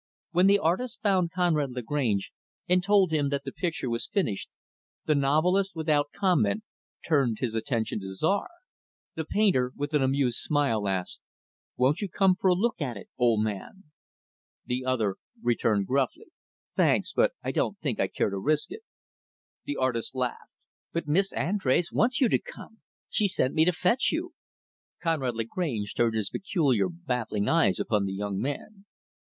When the artist found Conrad Lagrange and told him that the picture was finished, the novelist, without comment, turned his attention to Czar. The painter, with an amused smile, asked, "Won't you come for a look at it, old man?" The other returned gruffly, "Thanks; but I don't think I care to risk it." The artist laughed. "But Miss Andrés wants you to come. She sent me to fetch you." Conrad Lagrange turned his peculiar, baffling eyes upon the young man.